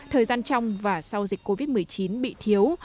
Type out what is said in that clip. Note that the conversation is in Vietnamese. thời gian trong và sau dịch covid một mươi chín bị thiếu